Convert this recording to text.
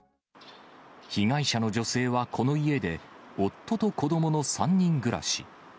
被害者の女性はこの家で、夫と子どもの３人暮らし。